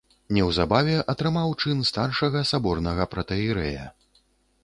Неўзабаве атрымаў чын старшага саборнага протаіерэя.